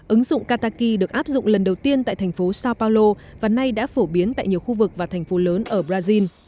ứng dụng kataki được áp dụng lần đầu tiên tại thành phố sao paulo và nay đã phổ biến tại nhiều khu vực và thành phố lớn ở brazil